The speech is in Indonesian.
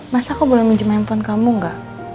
masa aku belum minjem handphone kamu gak